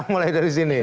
mulai dari sini